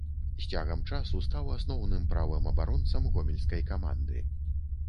З цягам часу стаў асноўным правым абаронцам гомельскай каманды.